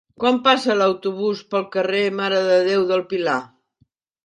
Quan passa l'autobús pel carrer Mare de Déu del Pilar?